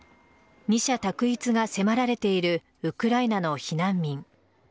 二者択一が迫られているウクライナの避難民。